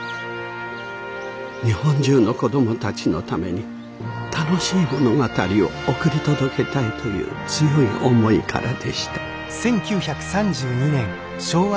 日本中の子どもたちのために楽しい物語を送り届けたいという強い思いからでした。